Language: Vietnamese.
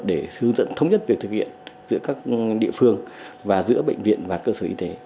để hướng dẫn thống nhất việc thực hiện giữa các địa phương và giữa bệnh viện và cơ sở y tế